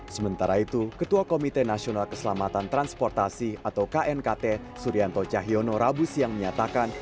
sementara itu ketua komite nasional keselamatan transportasi atau knkt suryanto cahyono rabu siang menyatakan